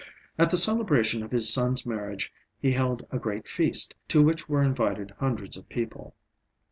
At the celebration of his son's marriage he held a great feast, to which were invited hundreds of people.